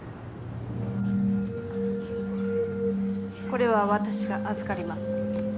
これは私が預かります。